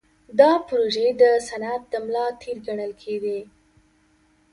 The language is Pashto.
دا پروژې د صنعت د ملا تیر ګڼل کېدې.